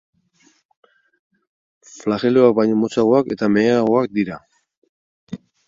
Flageloak baino motzagoak eta meheagoak dira.